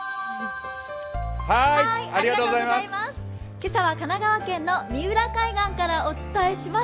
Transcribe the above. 今朝は神奈川県の三浦海岸からお伝えします。